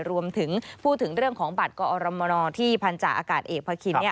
รวมถึงพูดถึงเรื่องของบัตรกอรมนที่พันธาอากาศเอกพระคิน